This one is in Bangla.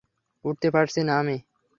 উঠতে পারছি না আমি।